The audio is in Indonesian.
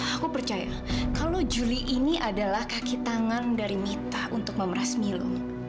aku percaya kalau juli ini adalah kaki tangan dari mita untuk memeras milu